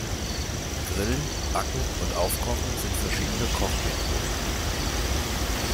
Grillen, Backen und Aufkochen sind verschiedene Kochmethoden.